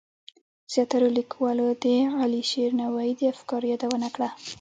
زیاترو لیکوالو د علیشیر نوایی د افکارو یادونه کړه.